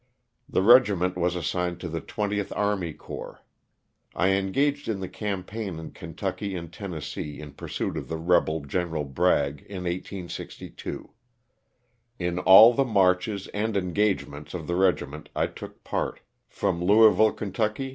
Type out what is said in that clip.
The regiment was assigned to the 20th Army Corps. I en gaged in the campaign in Ken tucky and Tennessee in pursuit of the rebel Gen. Bragg in 1862. In all the marches and engagements of the regiment I took part, from Louis ville, Ky.